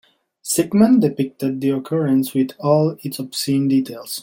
Sigmund depicted the occurrence with all its obscene details.